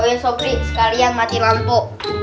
oh iya sobri sekalian mati lampu